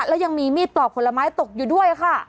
และยังมีมีดปลอกผลไม้ตกอยู่ด้วยค่ะ